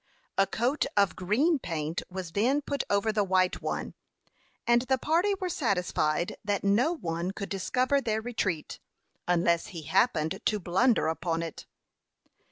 A coat of green paint was then put over the white one, and the party were satisfied that no one could discover their retreat, unless he happened to blunder upon it.